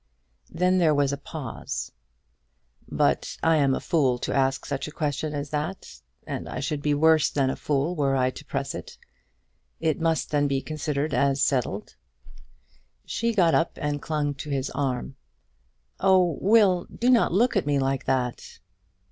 Then there was a pause. "But I am a fool to ask such a question as that, and I should be worse than a fool were I to press it. It must then be considered as settled?" She got up and clung to his arm. "Oh, Will, do not look at me like that!"